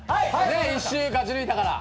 １週勝ち抜いたから。